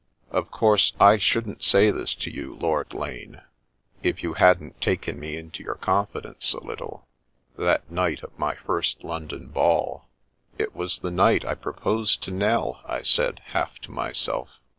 Of course I shouldn't say this to you, Lord Lane, if you hadn't taken me into your confidence a little — ^that night of my first London ball." " It was the night I proposed to Nell," I said, half to myself.